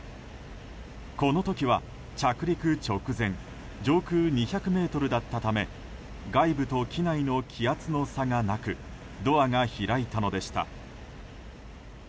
この時は着陸直前上空２００ｍだったため外部と機内の気圧の差がなくドアが開いたのでした。